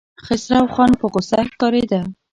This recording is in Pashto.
خسروخان په غوسه ښکارېده.